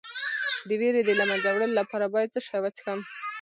د ویرې د له منځه وړلو لپاره باید څه شی وڅښم؟